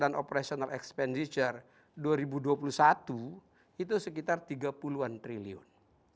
dan operational expenditure dua ribu dua puluh satu itu sekitar tiga puluh an triliun